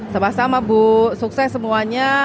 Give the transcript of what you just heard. sama sama bu sukses semuanya